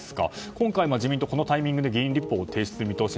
今回、自民党はこのタイミングで議員立法を提出する見通し